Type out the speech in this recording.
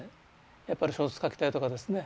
やっぱり小説書きたいとかですね